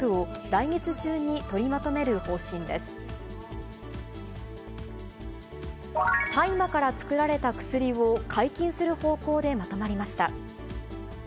大麻から作られた薬を解禁する方向でまとまりました。